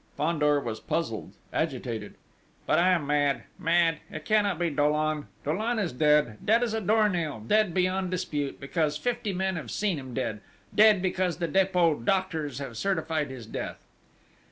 Fandor was puzzled, agitated: "But I am mad!... mad! It cannot be Dollon!... Dollon is dead dead as a door nail dead beyond dispute, because fifty men have seen him dead; dead, because the Dépôt doctors have certified his death!"